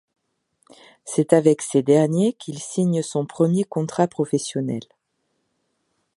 C'est avec ces derniers qu'il signe son premier contrat professionnel.